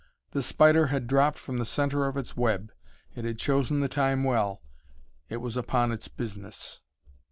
The spider had dropped from the centre of its web. It had chosen the time well. It was upon its business.